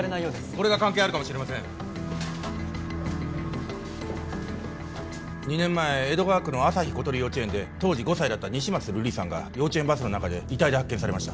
これが関係あるかもしれません２年前江戸川区の朝日ことり幼稚園で当時５歳だった西松瑠璃さんが幼稚園バスの中で遺体で発見されました